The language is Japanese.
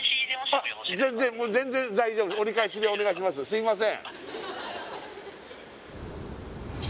すいません